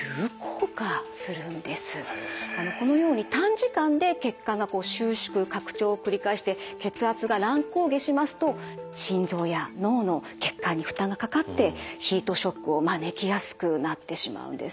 このように短時間で血管が収縮拡張を繰り返して血圧が乱高下しますと心臓や脳の血管に負担がかかってヒートショックを招きやすくなってしまうんです。